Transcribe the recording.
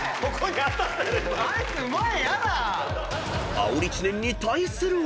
［あおり知念に対するは］